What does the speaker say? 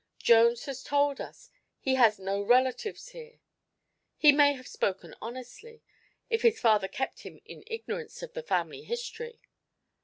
Jones has told us he has no relatives here. He may have spoken honestly, if his father kept him in ignorance of the family history.